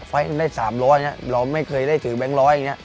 ไฟล์ทมันได้๓๐๐อย่างนี้เราไม่เคยได้ถือแบงก์๑๐๐อย่างนี้